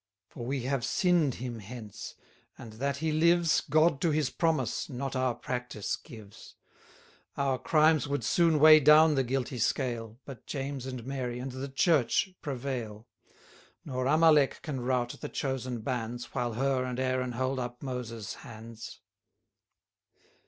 For we have sinn'd him hence, and that he lives, God to his promise, not our practice gives. Our crimes would soon weigh down the guilty scale, But James and Mary, and the Church, prevail. Nor Amalek can rout the chosen bands, While Hur and Aaron hold up Moses' hands.